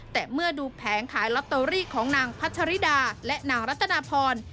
แต่เมื่อดูแผงขายลอตเตอรี่ของนางพัชริดาและนางรัตนาพร